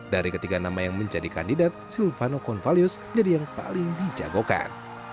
dari ketiga nama yang menjadi kandidat silvano konvalius menjadi yang paling dijagokan